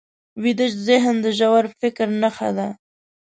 ویده ذهن د ژور فکر نښه ده